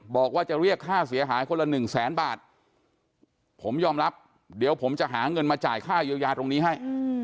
บอกว่าจะเรียกค่าเสียหายคนละหนึ่งแสนบาทผมยอมรับเดี๋ยวผมจะหาเงินมาจ่ายค่าเยียวยาตรงนี้ให้